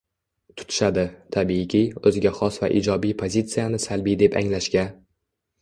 tutishadi, tabiiyki, o‘ziga xos va ijobiy “pozitsiyani” salbiy deb anglashga